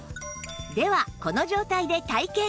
ではこの状態で体験